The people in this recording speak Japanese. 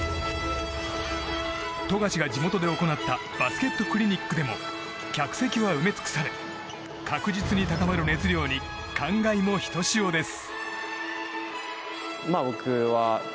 富樫が地元で行ったバスケットクリニックでも客席は埋め尽くされ確実に高まる熱量に感慨もひとしおです。